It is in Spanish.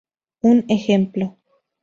Un ejemplo.